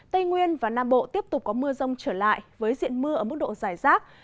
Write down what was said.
tây nguyên và nam bộ tiếp tục có mưa rông trở lại với diện mưa ở mức độ dài rác